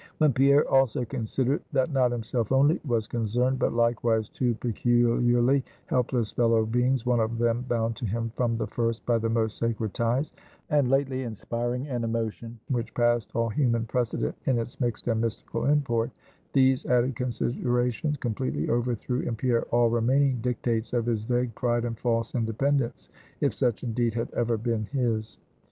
When Pierre also considered that not himself only was concerned, but likewise two peculiarly helpless fellow beings, one of them bound to him from the first by the most sacred ties, and lately inspiring an emotion which passed all human precedent in its mixed and mystical import; these added considerations completely overthrew in Pierre all remaining dictates of his vague pride and false independence, if such indeed had ever been his.